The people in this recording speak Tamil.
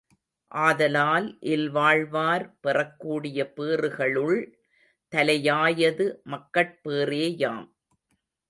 ஆதலால் இல்வாழ்வார் பெறக்கூடிய பேறுகளுள் தலையாயது மக்கட்பேறேயாம்.